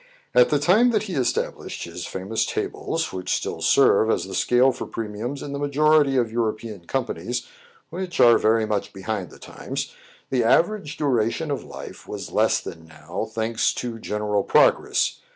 At the time that he established his famous tables, which still serve as the scale for premiums in the majority of European companies, which are very much behind the times, the average duration of life was less than now, thanks to general progress.